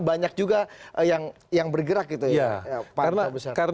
banyak juga yang bergerak gitu ya